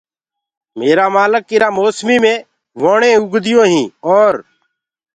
ميرآ مآلڪ ايٚرآ موسميٚ مي ووڻينٚ اوگديونٚ هينٚ اور